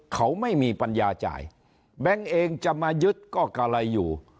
เขาไม่มีปัญญาจ่ายแบงค์เองจะมายึดก็กะไรอยู่